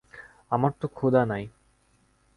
আমার তো ক্ষুধা নাই।